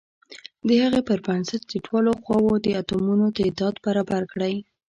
د هغې پر بنسټ د دواړو خواو د اتومونو تعداد برابر کړئ.